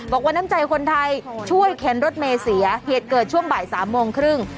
บอกว่าน้ำใจคนไทยช่วยเข็นรถเมย์เสียเหตุเกิดช่วงบ่ายสามโมงครึ่ง